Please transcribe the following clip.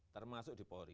termasuk di polri